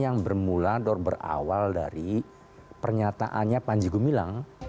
tapi mau lebih cepat itu adalah perdatanya dulu